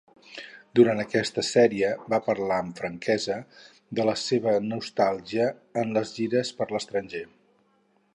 Durant aquesta sèrie, va parlar amb franquesa sobre la seva nostàlgia en les gires per l'estranger.